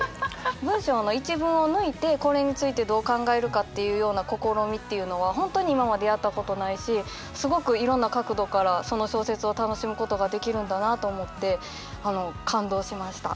文章の一文を抜いてこれについてどう考えるかっていうような試みっていうのは本当に今までやったことないしすごくいろんな角度からその小説を楽しむことができるんだなあと思って感動しました。